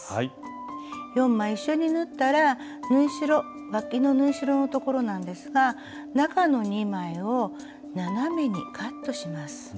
４枚一緒に縫ったらわきの縫い代の所なんですが中の２枚を斜めにカットします。